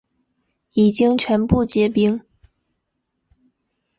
已经全部结冰